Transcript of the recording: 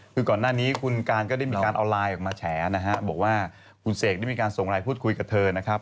คือก่อนหน้านี้คุณการก็ได้มีการเอาไลน์ออกมาแฉนะฮะบอกว่าคุณเสกได้มีการส่งไลน์พูดคุยกับเธอนะครับ